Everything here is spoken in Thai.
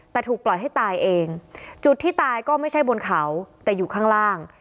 แต่ถูกปล่อยให้ตายเองจุดที่ตายก็ไม่ใช่บนเขาแต่อยู่ข้างล่าง